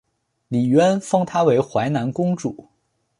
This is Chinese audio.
李渊封她为淮南公主。